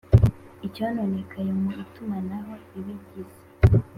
Icyononekaye mu itumanaho ibigize